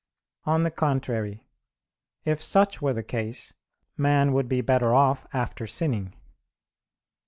On the contrary, if such were the case, man would be better off after sinning.